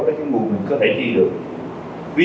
tới ba trăm linh nghìn mỗi người